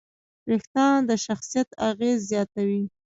وېښتيان د شخصیت اغېز زیاتوي.